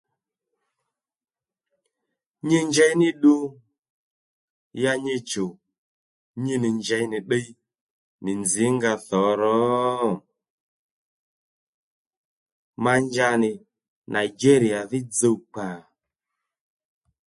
Nyi njey ní ddu ya nyi chùw nyi nì njěy nì ddiy nì nzǐ nga dhǒ rǒ? Ma nja nì Nigeriya dhí dzuw kpa